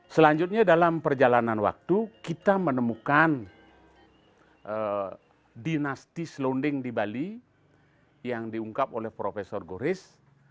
selanjutnya dalam perjalanan waktu kita menemukan dinasti selonding di bali yang diungkap oleh profesor goris